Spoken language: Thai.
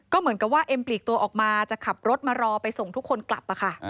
ก็เหมือนกับว่าเอ็มปลีกตัวออกมาจะขับรถมารอไปส่งทุกคนกลับค่ะ